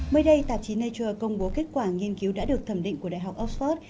mới đây tạp chí nature công bố kết quả nghiên cứu đã được thẩm định của đại học oxford